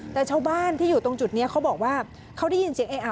แต่ชาวบ้านที่อยู่ตรงจุดนี้เขาบอกว่าเขาได้ยินเสียงเออะ